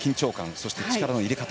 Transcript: そして、力の入れ方。